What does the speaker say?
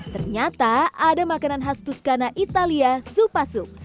ternyata ada makanan khas tuskana italia supa soup